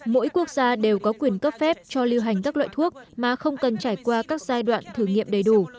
mỗi quốc gia đều có quyền cấp phép cho lưu hành các loại thuốc mà không cần trải qua các giai đoạn thử nghiệm đầy đủ